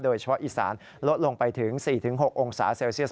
โดยเฉพาะอีสานลดลงไปถึง๔๖องศาเซลเซียส